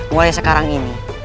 mulai sekarang ini